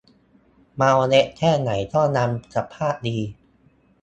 เมาเละแค่ไหนก็ยังสภาพดี